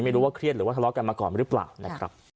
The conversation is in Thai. ไม่รู้ว่าเครียดหรือว่าทะเลาะกันมาก่อนหรือเปล่านะครับ